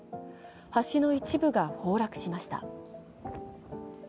橋の一部が崩落しました。